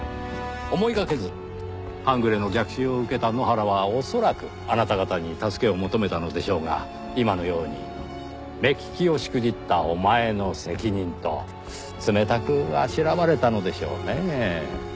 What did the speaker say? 思いがけず半グレの逆襲を受けた埜原は恐らくあなた方に助けを求めたのでしょうが今のように目利きをしくじったお前の責任と冷たくあしらわれたのでしょうねぇ。